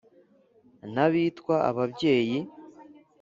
n’abitwa ababyeyi